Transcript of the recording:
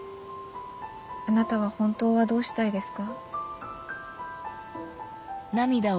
あなたは本当はどうしたいですか？